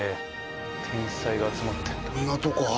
天才が集まってんだ。